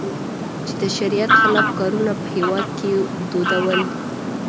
چې د شریعت خلاف کارونه یې په هېواد کې دودول.